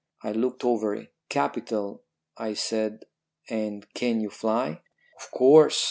I looked over it. "'Capital,' I said; 'and can you fly?' "'Of course.'